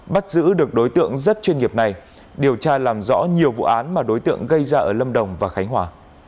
bắt giữ được đối tượng rất chuyên nghiệp này điều tra làm rõ nhiều vụ án mà đối tượng gây ra ở lâm đồng và khánh hòa